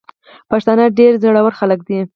پښتانه ډير زړه ور خلګ دي.